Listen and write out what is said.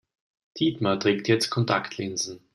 Dietmar trägt jetzt Kontaktlinsen.